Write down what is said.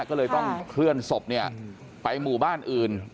ก็เลยต้องเคลื่อนศพเนี่ยไปหมู่บ้านอื่น